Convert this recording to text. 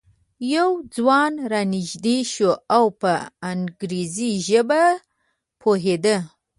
یو ځوان را نږدې شو او په انګریزي ژبه پوهېده.